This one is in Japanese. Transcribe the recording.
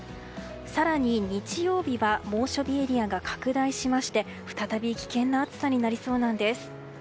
更に、日曜日は猛暑日エリアが拡大しまして再び危険な暑さになりそうなんです。